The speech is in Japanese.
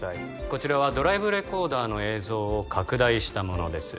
こちらはドライブレコーダーの映像を拡大したものです